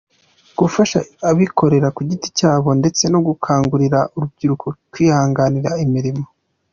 Gufasha abikorera ku giti cyabo ndetse no gukangurira urubyiruko kwihangira imirimo.